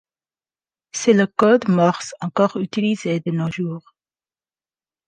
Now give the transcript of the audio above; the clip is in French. C'est le code morse encore utilisé de nos jours.